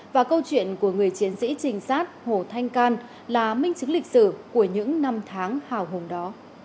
và câu chuyện của người chiến sĩ trinh sát hồ thanh can là minh chứng lịch sử của những năm tháng hào hùng đó